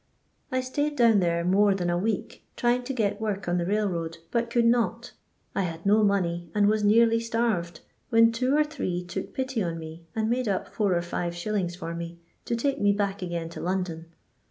I staid down there more than a week trying to get work on the railroad, but could not I had no money and was nearly starved, when two or three took pity on me, and made up four or five shillings for me, to take me back again to London.